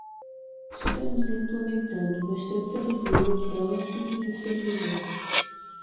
Estamos implementando uma estratégia de load balancing no servidor.